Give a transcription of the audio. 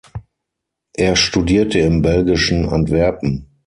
Er studierte im belgischen Antwerpen.